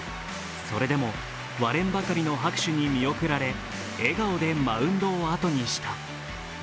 それでも割れんばかりの拍手に見送られ、笑顔でマウンドをあとにした。